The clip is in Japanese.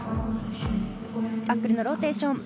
バックルのローテーション。